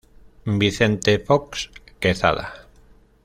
Vicente Fox Quezada.